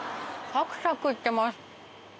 サクサクしてます。